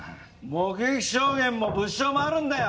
目撃証言も物証もあるんだよ！